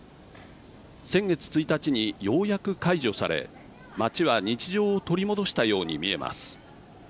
先月１日に、ようやく解除され街は日常を取り戻したように見えます。